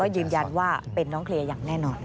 ยืนยันว่าเป็นน้องเคลียร์อย่างแน่นอน